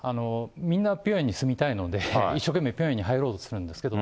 みんなピョンヤンに住みたいので、一生懸命ピョンヤンに入ろうとするんですけど、